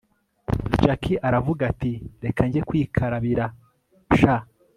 jack aravuga ati reka njye kwikarabira sha